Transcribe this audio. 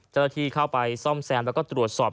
เจ้าหน้าที่เข้าไปซ่อมแซมแล้วก็ตรวจสอบ